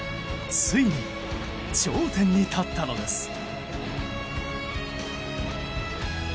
ついに頂点に立ったのです。